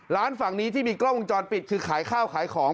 ฝั่งนี้ที่มีกล้องวงจรปิดคือขายข้าวขายของ